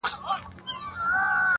جلوه حقیقت